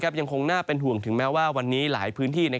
ก็อย่างน้ีก็น่าหว่งถึงว่าวันนี้ระหายพื้นที่